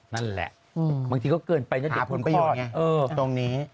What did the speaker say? นั่นแหละบางทีก็เกินไปชาวเด็กผู้ปลอดภัยหมาตรงนี้